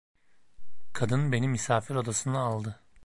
Kadın beni misafir odasına aldı.